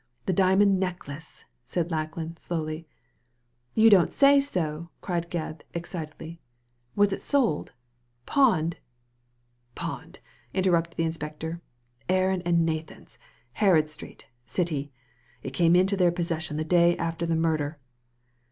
The diamond necklace," said Lackland, slowly. "You don't say so I " cried Gebb, excitedly. " Was it sold — pawned ?"" Pawned I '* interrupted the inspector. * Aaron and Nathan's, Harold Street, City. It came into their possession the day after the murder.'